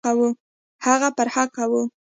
هغه پر حقه وو.